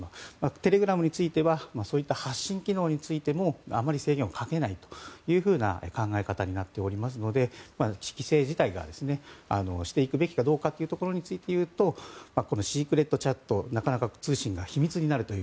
テレグラムについてはそういった発信機能についてもあまり制限をかけないという考え方になっているので規制自体をしていくべきかどうかということについていうとシークレットチャット通信が秘密になるという。